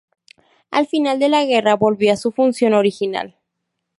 Al final de la guerra volvió a su función original.